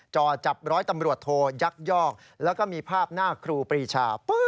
จ่อจับร้อยตำรวจโทยักยอกแล้วก็มีภาพหน้าครูปรีชา